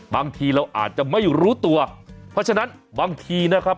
บางทีเราอาจจะไม่รู้ตัวเพราะฉะนั้นบางทีนะครับ